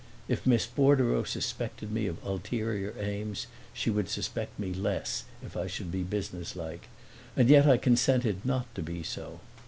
If Miss Bordereau suspected me of ulterior aims she would suspect me less if I should be businesslike, and yet I consented not to be so.